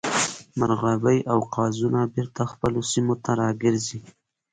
مرغابۍ او قازونه بیرته خپلو سیمو ته راګرځي